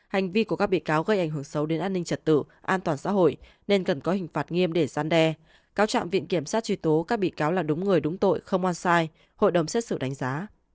hành vi của các bị cáo gây ảnh hưởng sâu đến an ninh trật tự an toàn xã hội nên cần có hình phạt nghiêm để gian đe cáo trạng viện kiểm sát truy tố các bị cáo là đúng người đúng tội không oan sai hội đồng xét xử đánh giá